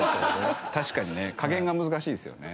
確かにね加減が難しいですよね。